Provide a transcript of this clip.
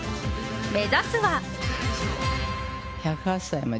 目指すは。